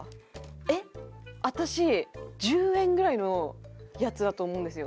えっ私１０円ぐらいのやつだと思うんですよ。